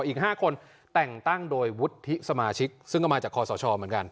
อีก๕คนแต่งตั้งโดยวุฒิสมาชิกซึ่งก็มาจากคอสชเหมือนกัน